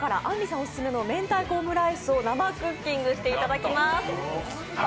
オススメの明太子オムライスを生クッキングしていただきます。